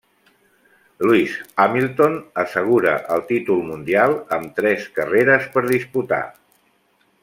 Lewis Hamilton assegura el títol mundial amb tres carreres per disputar.